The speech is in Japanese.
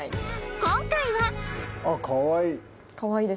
今回はあっかわいい。